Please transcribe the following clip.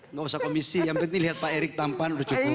nggak usah komisi yang penting lihat pak erik tampan udah jokowi